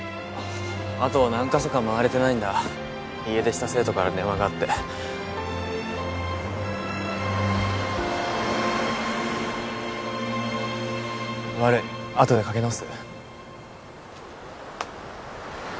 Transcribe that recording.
あと何ヵ所か回れてないんだ家出した生徒から電話があって悪いあとでかけ直す